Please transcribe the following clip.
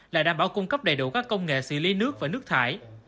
là đảm bảo cung cấp đầy đủ các công nghệ xử lý nước và nước thải